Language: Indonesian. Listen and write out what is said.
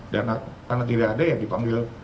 karena tidak ada ya dipanggil